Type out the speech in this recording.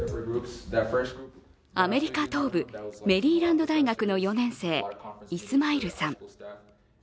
アメリカ東部メリーランド大学の４年生、イスマイルさん。